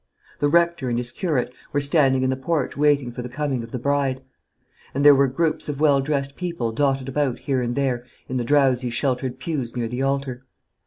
The rector and his curate were standing in the porch waiting for the coming of the bride; and there were groups of well dressed people dotted about here and there in the drowsy sheltered pews near the altar.